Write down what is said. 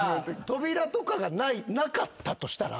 「扉がなかったとしたら」